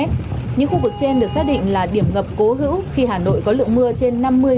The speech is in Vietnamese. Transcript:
những khu vực trên được xác định là điểm ngập cố hữu khi hà nội có lượng mưa trên năm mươi